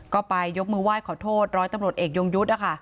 ก็ไปยกมือไหว้ขอโทษร้อยตำรวจเอกยงยุทธ์นะคะ